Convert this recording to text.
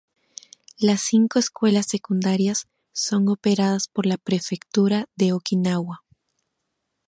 Las cinco escuelas secundarias son operadas por la Prefectura de Okinawa.